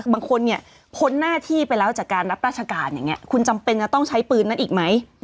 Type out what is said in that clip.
บางคนเนี่ยพ้นหน้าที่ไปแล้วจากการรับราชการอย่างนี้คุณจำเป็นจะต้องใช้ปืนนั้นอีกไหม